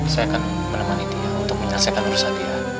saya akan menemani dia untuk menyaksikan perusahaan dia